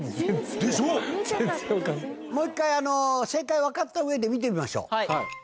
もう１回正解分かった上で見てみましょう。